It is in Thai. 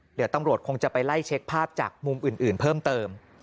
เดี๋ยวตำรวจคงจะไปไล่เช็คภาพจากมุมอื่นเพิ่มเติม